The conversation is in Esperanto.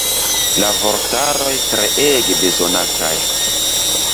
La vortaroj treege bezonataj.